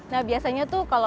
nah biasanya tuh kalau